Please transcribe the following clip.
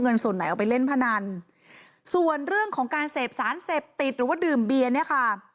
เงินส่วนไหนเอาไปเล่นพนันส่วนเรื่องของการเสพสารเสพติดหรือว่าดื่มเบียร์เนี่ยค่ะ